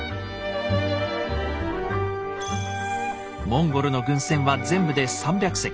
モンゴルの軍船は全部で３００隻。